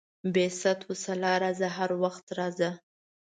بې ست وسلا راځه، هر وخت راځه.